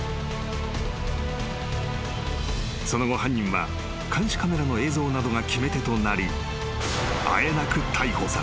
［その後犯人は監視カメラの映像などが決め手となりあえなく］